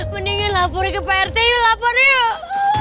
mendingan lapori ke pak rt yuk lapor yuk